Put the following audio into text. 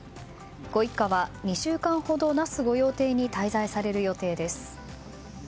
ご一家は２週間ほど那須御用邸に滞在される予定です。